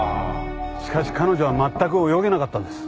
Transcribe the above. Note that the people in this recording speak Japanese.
しかし彼女はまったく泳げなかったんです。